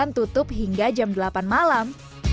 dan tutup hingga jam delapan malam